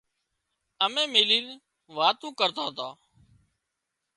ايم ملينَ واتون ڪرتان تان